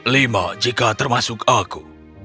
lima jika termasuk aku